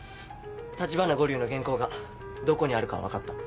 橘五柳の原稿がどこにあるかは分かった。